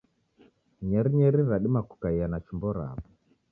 Nyerinyeri radima kukaia na chumbo rawo.